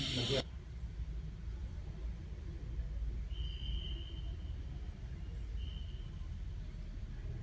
มันเจ็ดแล้ว